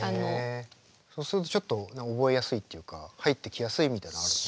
そうするとちょっと覚えやすいっていうか入ってきやすいみたいなのあるの？